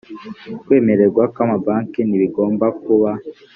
kwemererwa kw amabanki ntibagomba kuba